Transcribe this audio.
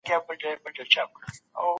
محمود پر سلطان حسین خپل زړه سواندي څرګند کړ.